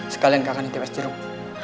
sekalian kakak nitip es jeruk